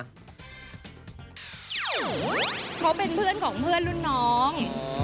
เขาเป็นเพื่อนของเพื่อนรุ่นน้อง